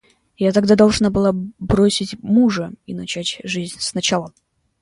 Я тогда должна была бросить мужа и начать жизнь с начала.